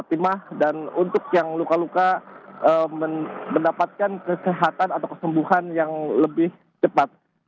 sehingga mereka mendapatkan kondisi atau meninggal dunia dengan khusus